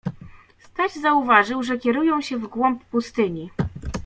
Staś zauważył, że kierują się w głąb pustyni.